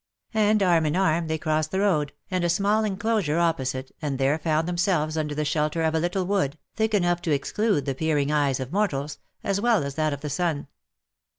And arm in arm they crossed the road, and a small enclosure op posite, and there found themselves under the shelter of a little wood, thick enough to exclude the peering eyes of mortals, as well as that of the sun.